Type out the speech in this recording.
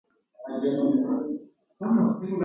Iporã avei.